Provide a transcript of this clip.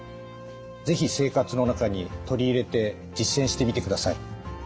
是非生活の中に取り入れて実践してみてください。